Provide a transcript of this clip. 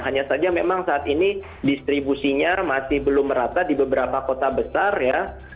hanya saja memang saat ini distribusinya masih belum merata di beberapa kota besar ya